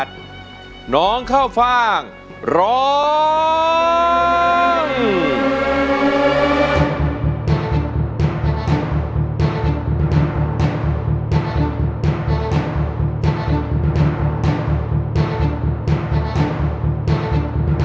ร้องได้ร้องได้ร้องได้